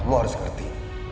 kamu harus berhati hati